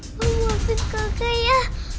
apa maksud kakak ya